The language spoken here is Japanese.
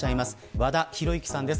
和田博幸さんです。